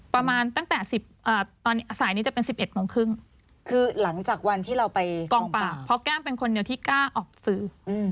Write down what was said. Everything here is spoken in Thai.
เพราะแก้มเป็นคนเดียวที่กล้าอบสื่อ